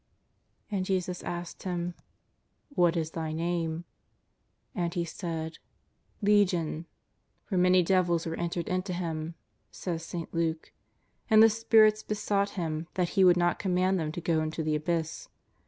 '' And Jesus asked him :" What is thy name ?" *'And he said, ^' Legion." " For many devils were entered into him," says St Luke. And the spirits besought Him that He would not command them to go into the abyss.